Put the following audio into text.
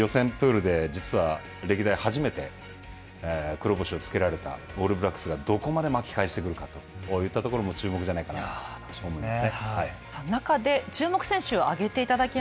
予選プールで実は、歴代初めて黒星をつけられたオールブラックスがどこまで巻き返してくるかといったところも注目じゃないかなと思います。